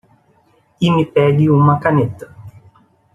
E me pegue uma caneta.